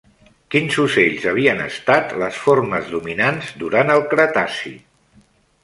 Quins ocells havien estat les formes dominants durant el Cretaci?